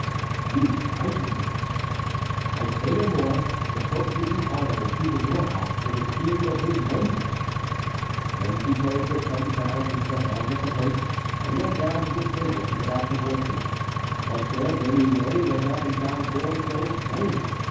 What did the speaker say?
"You frighten me." "I say no more. The Pope did you honor in choosing your house for the scene of his vengeance." Then Chicot put ten crowns into the hand of the host, and went down to the stable to get out the horses. M. Bernouillet went up and found Gorenflot praying.